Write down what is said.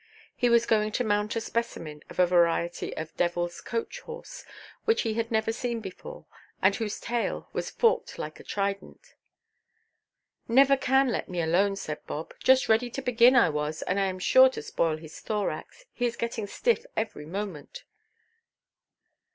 He was going to mount a specimen of a variety of "devilʼs coach–horse," which he had never seen before, and whose tail was forked like a trident. "Never can let me alone," said Bob; "just ready to begin I was; and I am sure to spoil his thorax. He is getting stiff every moment."